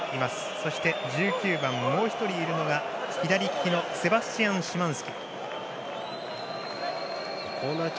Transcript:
そして１９番、もう１人いるのが左利きのセバスチアン・シマンスキ。